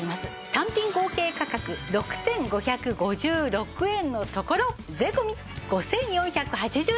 単品合計価格６５５６円のところ税込５４８０円です。